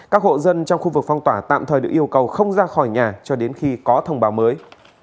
các hộ dân trong khu vực phong tỏa tạm thời được yêu cầu không ra khỏi nhà cho đến khi có thông báo mới